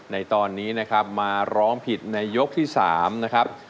ในตอนนี้นะครับมาร้องผิดในยกที่๓นะครับ